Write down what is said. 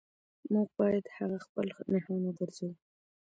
موږ باید هغه خپل نښان وګرځوو